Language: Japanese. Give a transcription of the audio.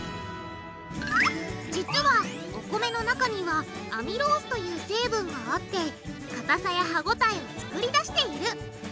実はお米の中にはアミロースという成分があってかたさや歯応えを作り出している。